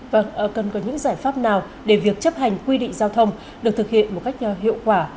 và cần có những giải pháp nào để việc chấp hành quy định giao thông được thực hiện một cách hiệu quả